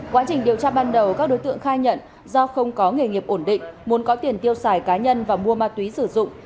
quá trình điều tra ban đầu các đối tượng khai nhận do không có nghề nghiệp ổn định muốn có tiền tiêu xài cá nhân và mua ma túy sử dụng